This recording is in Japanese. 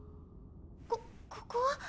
こここは？